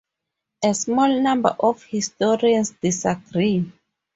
A small number of historians disagree.